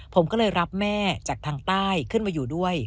ผมก็เลยรับแม่จากทางใต้ขึ้นมาอยู่ด้วย